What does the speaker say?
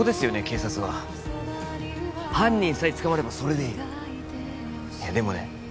警察は犯人さえ捕まればそれでいいいやでもね